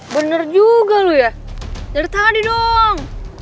bener juga lo ya nyari tangan aja dong